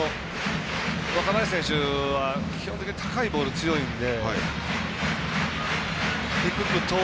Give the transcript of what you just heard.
若林選手、基本的に高いボール強いので。